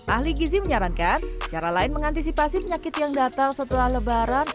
ahli gizi menyarankan cara lain mengantisipasi penyakit yang datang setelah lebaran